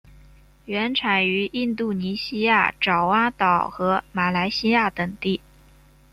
原产于印度尼西亚爪哇岛和马来西亚等地。